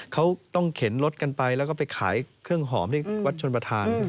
เขาต้องเข็นรถกันไปแล้วก็ไปขายเครื่องหอมที่วัดชนประธาน